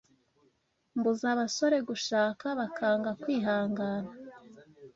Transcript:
Mbuza abasore gushaka bakanga kwihangana